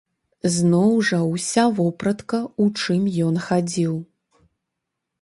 Зноў жа ўся вопратка, у чым ён хадзіў.